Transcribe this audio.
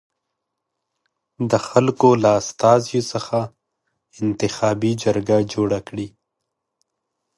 د خلکو له استازیو څخه انتخابي جرګه جوړه کړي.